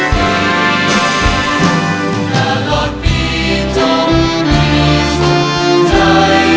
และรอดมีจงมีสุขใจ